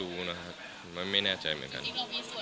เผื่อคุณทำซิมอบอำนาจให้เขาขับได้อีก